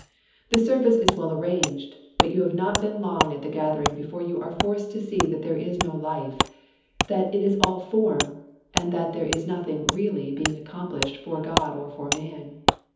The service is well arranged but you have not been long at the gathering before you are forced to see that there is no life, that it is all form, and that there is nothing really being accomplished for God or for man.